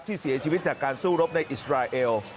ที่เสียชีวิตจากการสู้รบในอิสราเอล